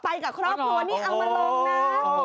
ไปกับครอบครัวนี่เอามาลงนะ